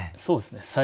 そうですね